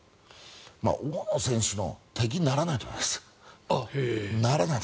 大野選手の敵にならないと思います。